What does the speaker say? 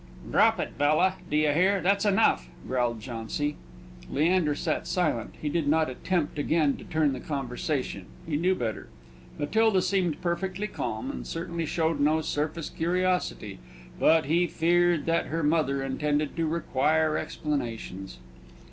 "Drop it, Bella! Do you hear? That's enough," growled Jauncy. Leander sat silent; he did not attempt again to turn the conversation: he knew better. Matilda seemed perfectly calm, and certainly showed no surface curiosity; but he feared that her mother intended to require explanations.